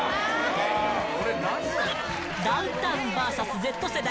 『ダウンタウンｖｓＺ世代』